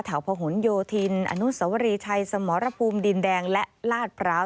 พหนโยธินอนุสวรีชัยสมรภูมิดินแดงและลาดพร้าว